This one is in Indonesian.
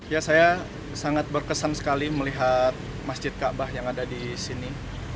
ya saya sangat berkesan sekali melihat masjid ka'bah yang ada di sini